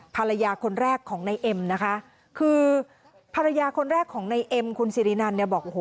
ภรรยาคนแรกของในเอ็มคือภรรยาคนแรกของในเอ็มคุณสิรินันบอกว่า